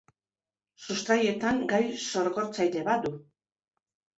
Sustraietan gai sorgortzaile bat du.